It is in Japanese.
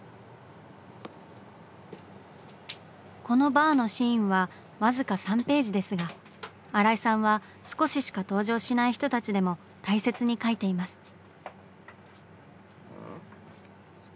このバーのシーンはわずか３ページですが新井さんは少ししか登場しない人たちでも大切に描いています。